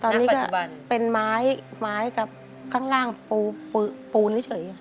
ตอนนี้ก็เป็นไม้กับข้างล่างปูนเฉยค่ะ